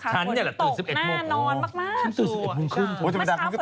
ฉันนี่ละมาตื่น๑๑โมงเฦิคลูคืออ่ะ